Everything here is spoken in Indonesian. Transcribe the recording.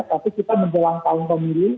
tapi kita menjelang tahun pemilu